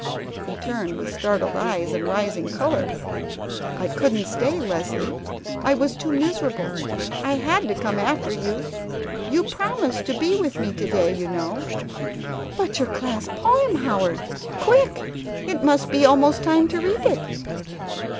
He turned with startled eyes, and rising color. "I couldn't stay, Leslie. I was too miserable! I had to come after you. You promised to be with me to day, you know " "But your Class Poem, Howard! Quick! It must be almost time to read it